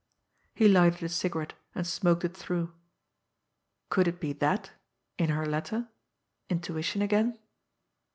He lighted a cigarette and smoked it through. Could it be that in her letter! Intuition again?